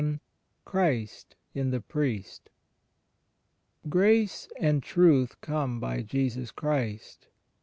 vn CHRIST IN THE PRIEST Grace and truth came by Jesus Christ.